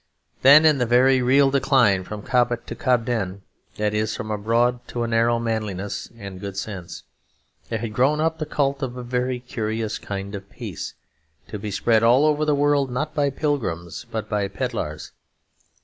Then, in the very real decline from Cobbett to Cobden (that is, from a broad to a narrow manliness and good sense) there had grown up the cult of a very curious kind of peace, to be spread all over the world not by pilgrims, but by pedlars.